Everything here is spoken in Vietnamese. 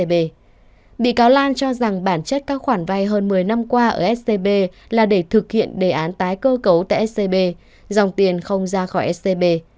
bị cáo lan cho rằng bản chất các khoản vay hơn một mươi năm qua ở scb là để thực hiện đề án tái cơ cấu tại scb dòng tiền không ra khỏi scb